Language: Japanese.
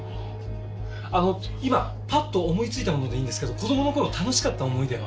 あの今パッと思いついたものでいいんですけど子供の頃楽しかった思い出は？